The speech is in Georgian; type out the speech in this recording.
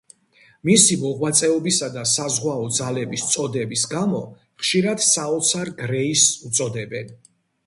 მისი მიღწევებისა და საზღვაო ძალების წოდების გამო, ხშირად „საოცარ გრეისს“ უწოდებენ.